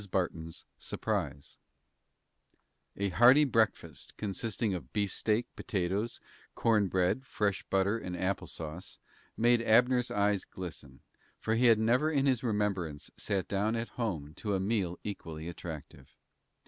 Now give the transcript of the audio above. BARTON'S SURPRISE A hearty breakfast, consisting of beefsteak, potatoes, corn bread, fresh butter and apple sauce, made Abner's eyes glisten, for he had never in his remembrance sat down at home to a meal equally attractive.